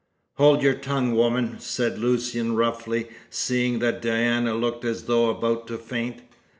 "Hold your tongue, woman!" said Lucian roughly, seeing that Diana looked as though about to faint.